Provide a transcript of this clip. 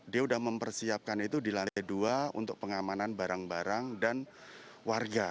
dia sudah mempersiapkan itu di lantai dua untuk pengamanan barang barang dan warga